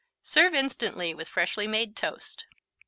Serve instantly with freshly made toast.